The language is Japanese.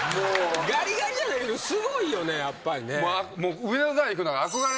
ガリガリじゃないけどすごいよねやっぱりね。